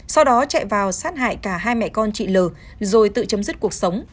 sau đó chạy vào sát hại cả hai mẹ con chị l rồi tự chấm dứt cuộc sống